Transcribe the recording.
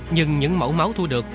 nhưng những mẫu máu thua được